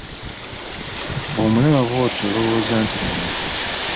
Bw’omulaba bw’oti olowooza nti muntu.